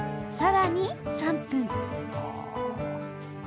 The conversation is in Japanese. さらに３分。